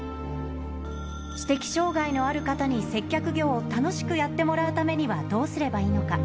知的障がいのある方に接客業を楽しくやってもらうためにはどうすればいいのか。